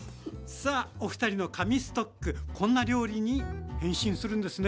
さあおふたりの「神ストック」こんな料理に変身するんですね。